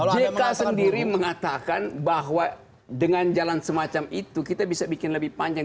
jk sendiri mengatakan bahwa dengan jalan semacam itu kita bisa bikin lebih panjang